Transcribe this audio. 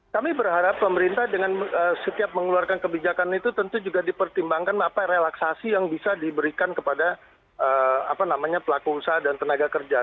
kami berharap pemerintah dengan setiap mengeluarkan kebijakan itu tentu juga dipertimbangkan apa relaksasi yang bisa diberikan kepada pelaku usaha dan tenaga kerja